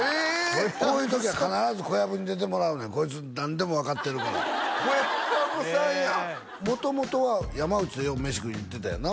俺こういう時は必ず小籔に出てもらうねんこいつ何でも分かってるから小籔さんや元々は山内とよう飯食いに行ってたんやな？